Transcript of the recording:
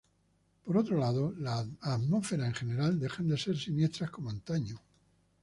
Por otro lado, las atmósferas en general dejan de ser siniestras como antaño.